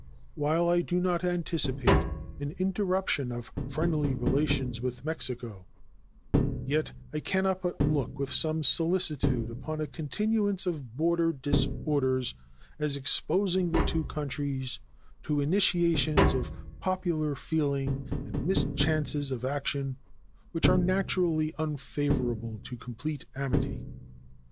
While I do not anticipate an interruption of friendly relations with Mexico, yet I can not but look with some solicitude upon a continuance of border disorders as exposing the two countries to initiations of popular feeling and mischances of action which are naturally unfavorable to complete amity.